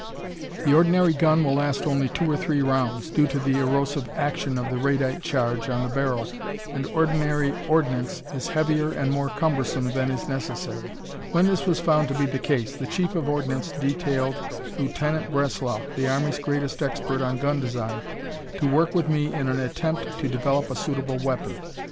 The ordinary gun will last only two or three rounds, due to the erosive action of the radite charge on the barrel, and ordinary ordnance is heavier and more cumbersome than is necessary. When this was found to be the case, the Chief of Ordnance detailed Lieutenant Breslau, the army's greatest expert on gun design, to work with me in an attempt to develop a suitable weapon.